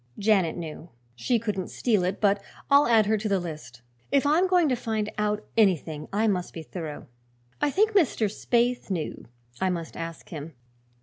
Janet knew; she couldn't steal it but I'll add her to the list. If I'm going to find out anything I must be thorough. I think Mr. Spaythe knew. I must ask him.